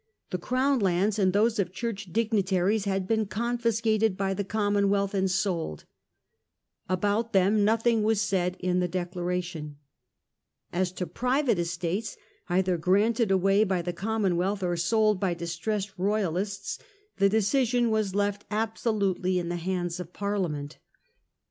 The Th j Crown lands and those of Church dignitaries e ' had been confiscated by the Commonwealth and sold. About them nothing was said in the Declara tion. As to private estates, either granted away by the Commonwealth or sold by distressed Royalists, the decision was left absolutely in the hands of Parliament.